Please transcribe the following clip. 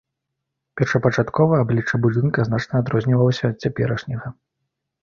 Першапачаткова аблічча будынка значна адрознівалася ад цяперашняга.